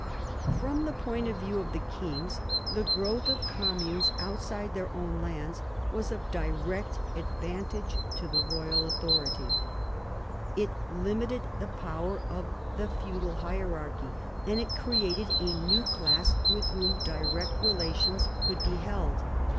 From the point of view of the kings, the growth of communes outside their own lands was of direct V THE ADVANCE OF THE MONARCHY 141 advantage to the royal authority. It limited the power of the feudal hierarchy, and it created a new class with whom direct relations could be held.